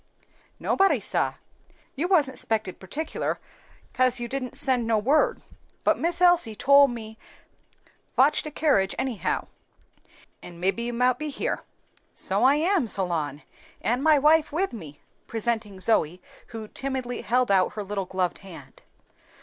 "Nobody, sah. You wasn't spected particular, kase you didn't send no word. But Miss Elsie tole me fotch de kerridge anyhow, an' mebbe you mout be here." "So I am, Solon, and my wife with me," presenting Zoe, who timidly held out her little gloved hand.